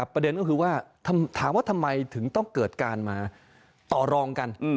ประเด็นก็คือว่าถามว่าทำไมถึงต้องเกิดการมาต่อรองกัน